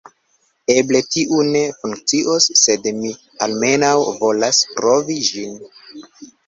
Eble tiu ne funkcios sed mi almenaŭ volas provi ĝin